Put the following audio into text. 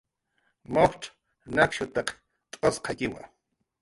Mujcx nakshutaq tz'usqaykiwa